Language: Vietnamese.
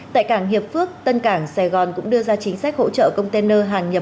tại cảng hiệp phước tân cảng sài gòn cũng đưa ra chính sách hỗ trợ container hàng nhập